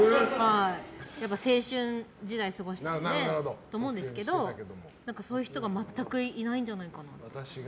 やっぱり青春時代を過ごしたので思うんですけどそういう人が全くいないんじゃないかなと。